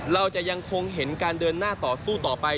เราจะยังคงเห็นการเดินหน้าต่อสู้ต่อไป